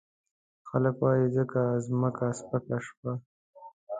خلګ وايي ځکه مځکه سپکه شوه.